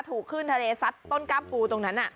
ถูกขึ้นทะเลซัดต้นกล้ามปูตรงนั้น